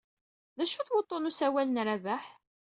D acu-t wuḍḍun n usawal n Rabaḥ?